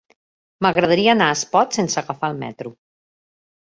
M'agradaria anar a Espot sense agafar el metro.